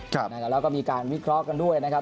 แล้วก็มีการวิเคราะห์กันด้วยนะครับ